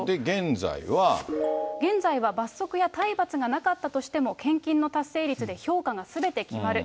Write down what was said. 現在は罰則や体罰がなかったとしても、献金の達成率で評価がすべて決まる。